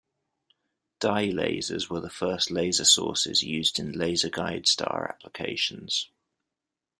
Dye lasers were the first laser sources used in laser guide star applications.